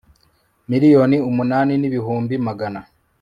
miliyoni umunani n ibihumbi magana